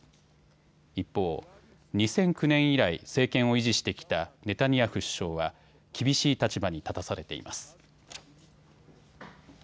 一方、２００９年以来、政権を維持してきたネタニヤフ首相は厳しい立場に立たされています。